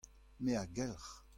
me a gelc'h.